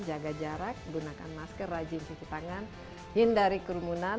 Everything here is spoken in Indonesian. jaga jarak gunakan masker rajin cuci tangan hindari kerumunan